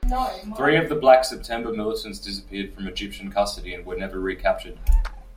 Three of the Black September militants disappeared from Egyptian custody and were never recaptured.